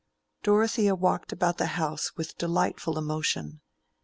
Dorothea walked about the house with delightful emotion.